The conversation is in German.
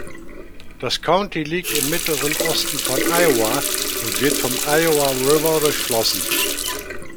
Das County liegt im mittleren Osten von Iowa und wird vom Iowa River durchflossen.